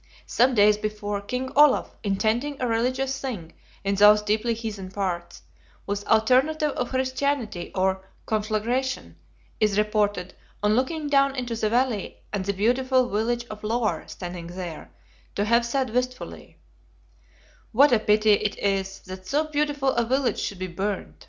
Some days before, King Olaf, intending a religious Thing in those deeply heathen parts, with alternative of Christianity or conflagration, is reported, on looking down into the valley and the beautiful village of Loar standing there, to have said wistfully, "What a pity it is that so beautiful a village should be burnt!"